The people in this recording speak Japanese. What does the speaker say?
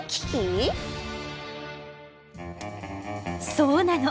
そうなの。